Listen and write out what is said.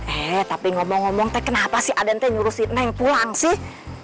eh tapi ngomong ngomong teh kenapa si aden teh nyurusin neng pulang sih